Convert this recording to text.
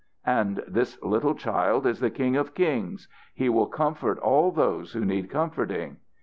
"And this little child is the King of Kings. He will comfort all those who need comforting.